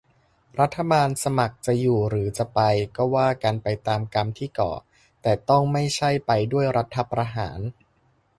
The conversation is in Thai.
รัฐบาลสมัครจะอยู่หรือจะไป ก็ว่ากันไปตามกรรมที่ก่อ - แต่ต้องไม่ใช่ไปด้วยรัฐประหาร